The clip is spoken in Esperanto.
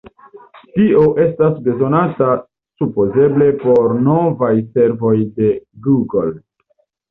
Tio estas bezonata supozeble por novaj servoj de Google.